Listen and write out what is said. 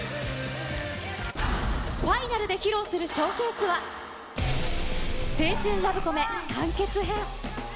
ファイナルで披露するショーケースは、青春ラブコメ完結編。